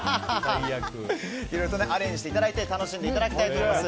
いろいろアレンジしていただいて楽しんでいただきたいと思います。